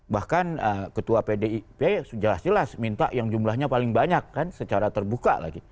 bahkan ketua pdip jelas jelas minta yang jumlahnya paling banyak kan secara terbuka lagi